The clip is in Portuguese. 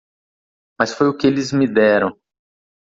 Mas foi o que eles me deram.